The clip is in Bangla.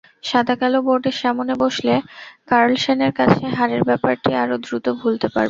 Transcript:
সাদাকালো বোর্ডের সামনে বসলে কার্লসেনের কাছে হারের ব্যাপারটি আরও দ্রুত ভুলতে পারব।